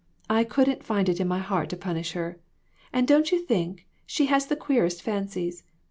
I couldn't find it in my heart to punish her. And don't you think, she has the queerest fancies.